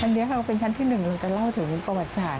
อันนี้ค่ะเป็นชั้นที่๑เราจะเล่าถึงประวัติศาสต